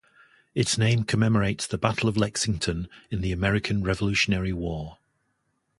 Its name commemorates the Battle of Lexington in the American Revolutionary War.